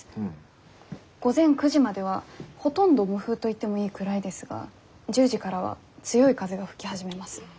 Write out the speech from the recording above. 午前９時まではほとんど無風といってもいいくらいですが１０時からは強い風が吹き始めます。